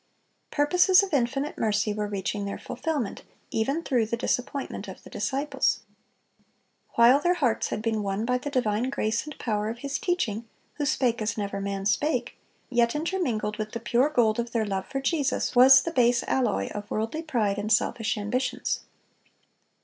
Purposes of infinite mercy were reaching their fulfilment, even through the disappointment of the disciples. While their hearts had been won by the divine grace and power of His teaching, who "spake as never man spake," yet intermingled with the pure gold of their love for Jesus, was the base alloy of worldly pride and selfish ambitions.